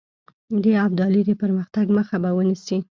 د ابدالي د پرمختګ مخه به ونیسي.